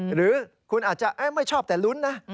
หรือคุณอาจจะไม่ชอบแต่ลุ้นนะ